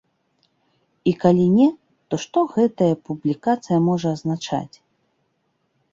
І калі не, то што гэтая публікацыя можа азначаць?